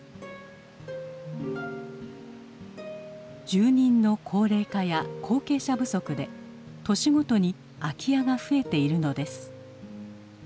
住人の高齢化や後継者不足で年ごとに空き家が増えているのです。